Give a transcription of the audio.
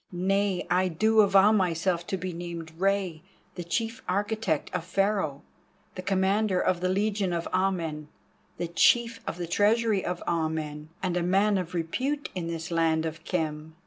Nay, I do avow myself to be named Rei the Chief Architect of Pharaoh, the Commander of the Legion of Amen, the chief of the Treasury of Amen, and a man of repute in this land of Khem.